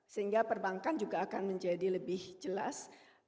sehingga perbankan juga akan menjadi lebih jelas